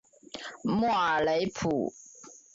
莫尔普雷。